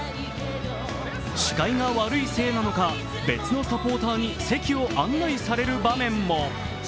視界が悪いせいなのか、別のサポーターに席を案内される場面も。